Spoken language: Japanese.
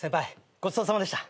ごちそうさまでした。